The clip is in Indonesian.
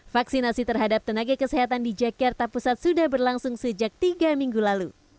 vaksinasi terhadap tenaga kesehatan di jakarta pusat sudah berlangsung sejak tiga minggu lalu